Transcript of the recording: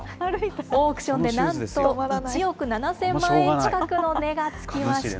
オークションでなんと１億７０００万円近くの値がつきました。